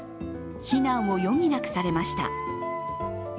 避難を余儀なくされました。